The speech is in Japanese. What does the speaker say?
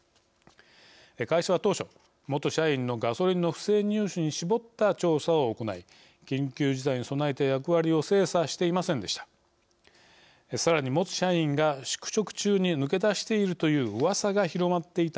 会社は当初、元社員のガソリンの不正入手に絞った調査を行い緊急事態に備えた役割を精査していませんでした。